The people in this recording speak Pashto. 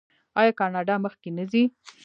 آیا کاناډا مخکې نه ځي؟